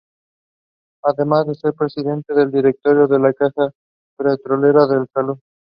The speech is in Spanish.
Además de ser presidente del directorio de la Caja Petrolera de Salud.